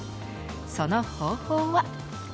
その方法は。